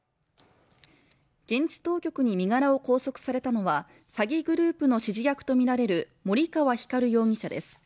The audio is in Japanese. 現地当局に身柄を拘束されたのは詐欺グループの指示役とみられる森川光容疑者です